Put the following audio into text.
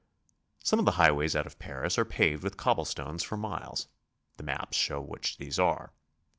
Some of the highways out of Paris are paved with cobble stones for miles. The maps show which these are.